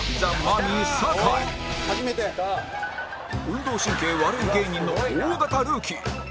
運動神経悪い芸人の大型ルーキー